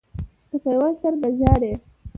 که په يوه سترګه ژاړې